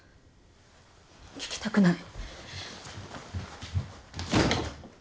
聞きたくない。